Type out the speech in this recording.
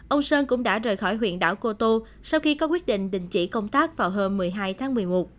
ông sơn cũng đã rời khỏi huyện đảo cô tô sau khi có quyết định đình chỉ công tác vào hôm một mươi hai tháng một mươi một